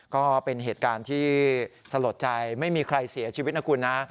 ก็เป็นเหตุการณ์ที่สลดใจไม่มีใครเสียชีวิตนะคุณนะ